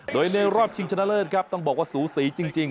โดยในรอบชิงชนะเลิศครับต้องบอกว่าสูสีจริง